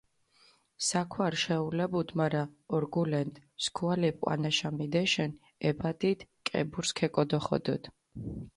საქვარი შეულებუდჷ, მარა ორგულენდჷ, სქუალეფი ჸვანაშა მიდეშჷნი, ე ბადიდი კებურსჷ ქეკოდოხოდჷდჷ.